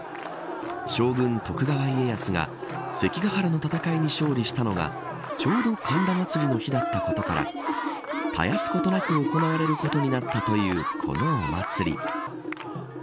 将軍、徳川家康が関ヶ原の戦いに勝利したのがちょうど神田祭の日だったことから絶やすことなく行われることになったという、このお祭り。